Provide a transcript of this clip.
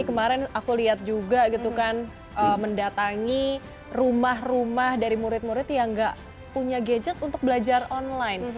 kemarin aku lihat juga gitu kan mendatangi rumah rumah dari murid murid yang gak punya gadget untuk belajar online